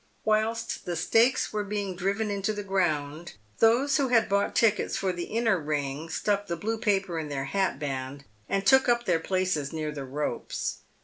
Whilst the stakes were being driven into the ground, those who had bought tickets for the inner ring stuck the blue paper in their hatband, and took up their places near the ropes.